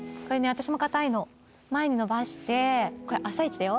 私も硬いの前に伸ばしてこれ朝イチだよ